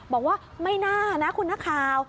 บอกว่าไม่น่านะคุณนักข่าว